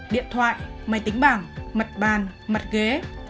điện thoại máy tính bảng mặt bàn mặt ghế